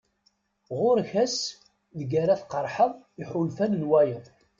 Ɣur-k ass deg ara tqeṛḥeḍ iḥulfan n wayeḍ.